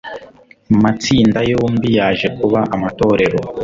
matsinda yombi yaje kuba amatorero